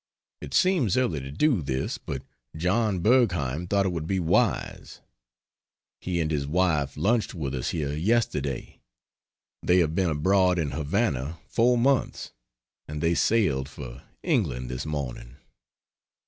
It seems early to do this, but Joan Bergheim thought it would be wise. He and his wife lunched with us here yesterday. They have been abroad in Havana 4 months, and they sailed for England this morning.